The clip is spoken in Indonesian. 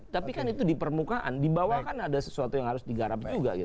tapi kan itu di permukaan di bawah kan ada sesuatu yang harus digarap juga